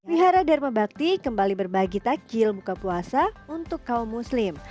wihara dharma bakti kembali berbagi takjil buka puasa untuk kaum muslim